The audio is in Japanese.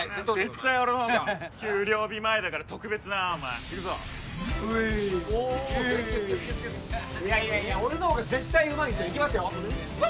絶対俺の方が給料日前だから特別なお前いくぞうぃおおいやいやいや俺の方が絶対うまいいきますよ